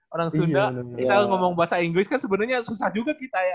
orang sunda kita ngomong bahasa inggris kan sebenarnya susah juga kita ya